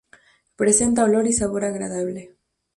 Presenta olor y sabor agradable.